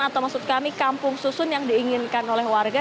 atau maksud kami kampung susun yang diinginkan oleh warga